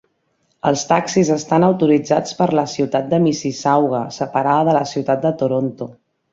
Els taxis estan autoritzats per la ciutat de Mississauga, separada de la ciutat de Toronto.